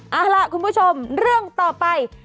เอาล่ะคุณผู้ชมเรื่องต่อไป